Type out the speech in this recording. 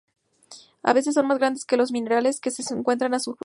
A veces son más grandes que los minerales que se encuentran a su alrededor.